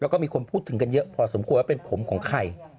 แล้วก็มีคนพูดถึงกันเยอะพอสมควรว่าเป็นผมของใคร